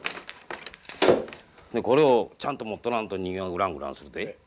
でこれをちゃんと持っとらんと人形グラングランするで。